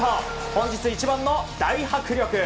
本日一番の大迫力。